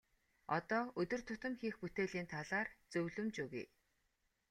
Одоо өдөр тутам хийх бүтээлийн талаар зөвлөмж өгье.